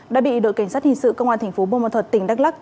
đã bị đội cảnh sát hình sự công an thành phố bô môn thuật tỉnh đắk lắc